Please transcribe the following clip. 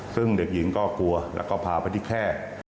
ซึ่งเด็กหญิงก็กลัวแล้วก็พาไปที่แค่